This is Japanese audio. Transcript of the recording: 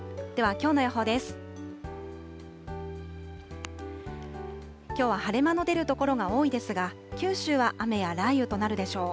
きょうは晴れ間の出る所が多いですが、九州は雨や雷雨となるでしょう。